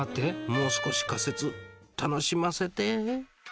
もう少し仮説楽しませて。